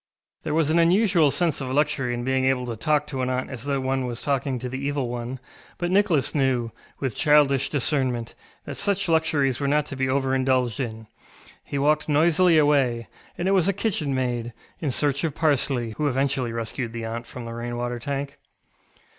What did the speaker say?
ŌĆØ There was an unusual sense of luxury in being able to talk to an aunt as though one was talking to the Evil One, but Nicholas knew, with childish discernment, that such luxuries were not to be over indulged in. He walked noisily away, and it was a kitchenmaid, in search of parsley, who eventually rescued the aunt from the rain water tank.